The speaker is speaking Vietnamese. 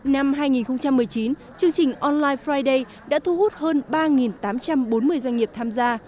năm hai nghìn một mươi chín chương trình online friday đã thu hút hơn ba tám trăm bốn mươi doanh nghiệp tham gia